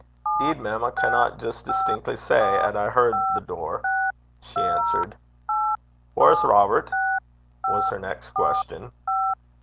''Deed, mem, I canna jist distinckly say 'at I heard the door,' she answered. 'Whaur's Robert?' was her next question.